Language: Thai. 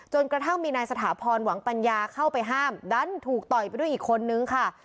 กระทั่งมีนายสถาพรหวังปัญญาเข้าไปห้ามดันถูกต่อยไปด้วยอีกคนนึงค่ะ